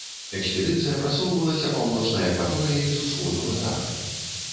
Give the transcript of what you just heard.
Экспедыцыя прасоўвалася паўночнай акваторыяй з усходу на захад.